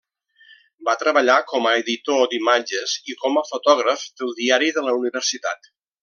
Va treballar com a editor d'imatges i com a fotògraf del diari de la universitat.